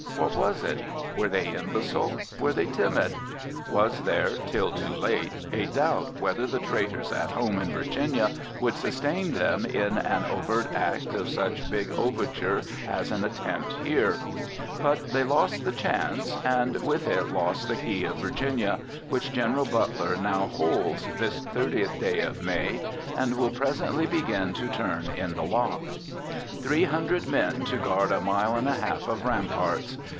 What was it? Were they imbecile? Were they timid? Was there, till too late, a doubt whether the traitors at home in Virginia would sustain them in an overt act of such big overture as an attempt here? But they lost the chance, and with it lost the key of Virginia, which General Butler now holds, this 30th day of May, and will presently begin to turn in the lock. Three hundred men to guard a mile and a half of ramparts!